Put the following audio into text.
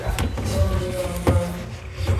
دو نمبری کا مسئلہ ہے۔